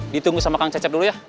ditunggu sama kang cecep dulu ya